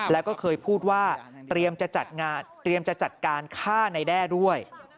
แล้วก็เคยพูดว่าเตรียมจะจัดการฆ่านายแด้ด้วย